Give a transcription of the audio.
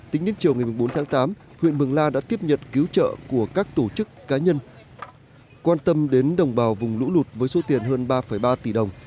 tính đến chiều ngày bốn tháng tám huyện mường la đã tiếp nhận cứu trợ của các tổ chức cá nhân quan tâm đến đồng bào vùng lũ lụt với số tiền hơn ba ba tỷ đồng